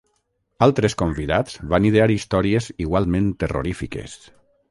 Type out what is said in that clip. Altres convidats van idear històries igualment terrorífiques.